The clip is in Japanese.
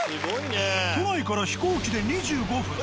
都内から飛行機で２５分。